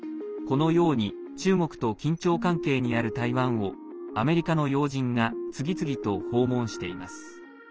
このように中国と緊張関係にある台湾をアメリカの要人が次々と訪問しています。